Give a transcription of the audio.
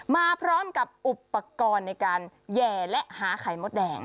มาพร้อมกับอุปกรณ์ในการแห่และหาไข่มดแดง